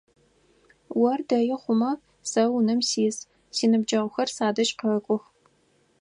Ор дэи хъумэ сэ унэм сис, синыбджэгъухэр садэжь къэкӏох.